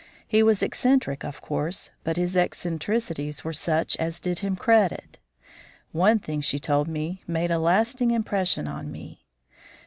He was eccentric, of course, but his eccentricities were such as did him credit. One thing she told me made a lasting impression on me.